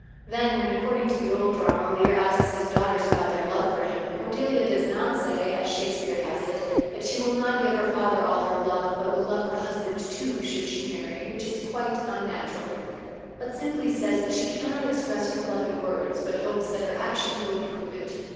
Then, when, according to the old drama, Leir asks his daughters about their love for him, Cordelia does not say, as Shakespeare has it, that she will not give her father all her love, but will love her husband, too, should she marry which is quite unnatural but simply says that she can not express her love in words, but hopes that her actions will prove it.